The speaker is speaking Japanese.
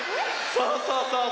そうそうそうそう！